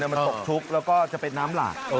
มันตกชุกแล้วก็จะเป็นน้ำหลาก